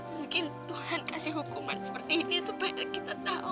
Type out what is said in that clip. mungkin tuhan kasih hukuman seperti ini supaya kita tahu